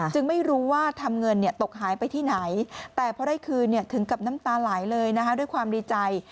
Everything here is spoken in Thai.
ไม่รู้ว่าทำเงินตกหายไปที่ไหนแต่พอได้คืนถึงกับน้ำตาไหลเลยนะคะด้วยความดีใจ